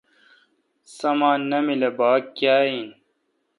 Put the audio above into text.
سامان نامل اؘ باگ کیا این۔